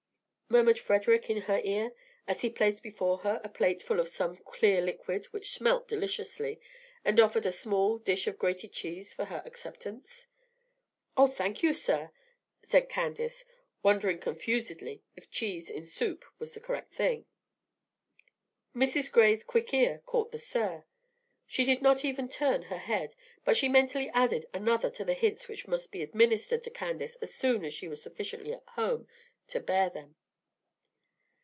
murmured Frederic in her ear, as he placed before her a plate full of some clear liquid which smelt deliciously, and offered a small dish of grated cheese for her acceptance. "Oh, thank you, sir," said Candace, wondering confusedly if cheese in soup was the correct thing. Mrs. Gray's quick ear caught the "sir." She did not even turn her head, but she mentally added another to the hints which must be administered to Candace as soon as she was sufficiently at home to bear them.